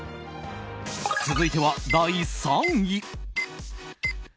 続いては第３位。